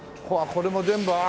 これも全部ああ！